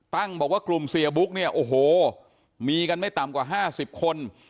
บอกว่ากลุ่มเสียบุ๊กเนี่ยโอ้โหมีกันไม่ต่ำกว่า๕๐คน